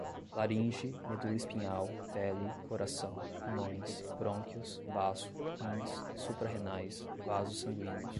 laringe, medula espinhal, pele, coração, pulmões, brônquios, baço, rins, suprarrenais, vasos sanguíneos